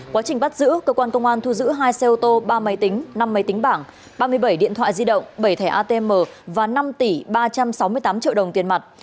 quá trình bắt giữ cơ quan công an thu giữ hai xe ô tô ba máy tính năm máy tính bảng ba mươi bảy điện thoại di động bảy thẻ atm và năm tỷ ba trăm sáu mươi tám triệu đồng tiền mặt